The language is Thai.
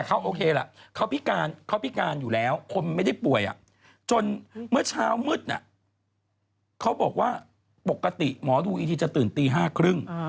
แต่เขาก็โอเคล่ะเขาพิการ